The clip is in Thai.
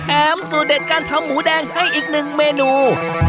สูตรเด็ดการทำหมูแดงให้อีกหนึ่งเมนู